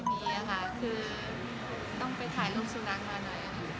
ไม่มีค่ะคือต้องไปถ่ายรูปสูนักมาหน่อย